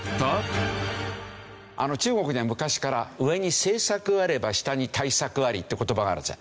中国には昔から「上に政策あれば下に対策あり」って言葉があるんです。